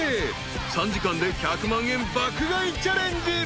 ［３時間で１００万円爆買いチャレンジ］